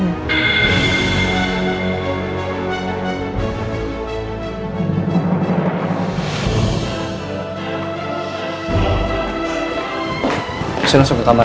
ini kayaknya adalah pesuatan